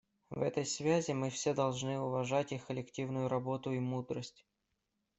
В этой связи мы все должны уважать их коллективную работу и мудрость.